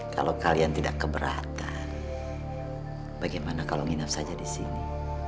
kalau kalian tidak keberatan bagaimana kalau nginap saja di sini